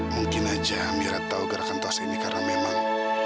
mungkin aja amirat tahu gerakan tos ini karena memang